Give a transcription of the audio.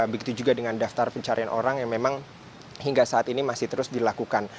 begitu juga dengan daftar pencarian orang yang memang hingga saat ini masih terus dilakukan